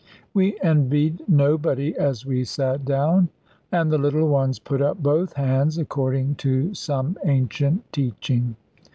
We envied nobody as we sate down, and the little ones put up both hands, according to some ancient teaching.